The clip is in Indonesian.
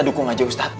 dukung aja ustadz